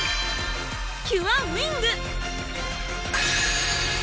キュアウィング！